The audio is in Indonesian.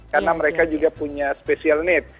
karena mereka juga punya special need